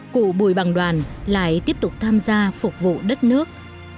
cụ bùi bằng đoàn lại tiếp tục tham gia phục vụ đất nước